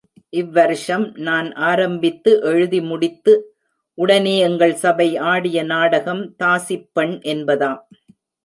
இவ்வருஷம் நான் ஆரம்பித்து எழுதி முடித்து, உடனே எங்கள் சபை ஆடிய நாடகம் தாசிப்பெண் என்பதாம்.